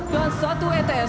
dan satu ets